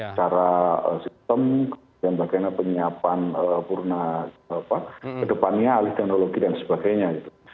secara sistem dan bagaimana penyiapan purna ke depannya alih teknologi dan sebagainya